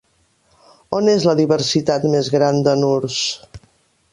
On és la diversitat més gran d'anurs?